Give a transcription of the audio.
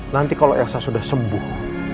nanti kalau elsa sudah sembuh